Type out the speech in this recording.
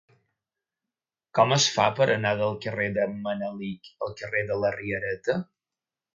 Com es fa per anar del carrer d'en Manelic al carrer de la Riereta?